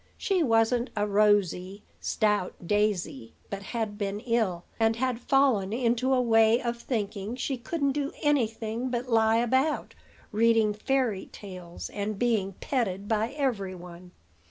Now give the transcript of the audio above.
She wasn't a rosy, stout Daisy; but had been ill, and had fallen into a way of thinking she couldn't do anything but lie about, reading fairy tales, and being petted by every one.